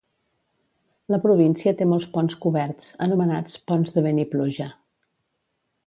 La província té molts ponts coberts, anomenats "ponts de vent i pluja".